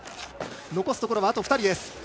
残すところは、あと２人です。